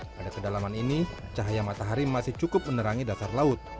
pada kedalaman ini cahaya matahari masih cukup menerangi dasar laut